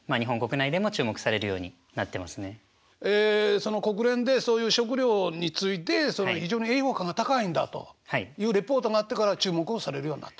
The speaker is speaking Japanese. その国連でそういう食料について非常に栄養価が高いんだというレポートがあってから注目をされるようになった？